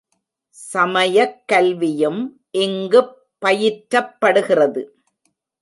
சமயக் கல்வியும் இங்குப் பயிற்றப்படுகிறது.